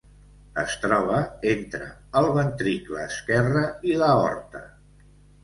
Es troba entre el ventricle esquerre i l'aorta.